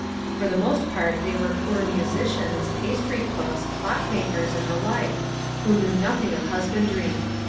For the most part they were poor musicians, pastry cooks, clock makers, and the like, who knew nothing of husbandry.